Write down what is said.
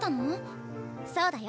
そうだよ。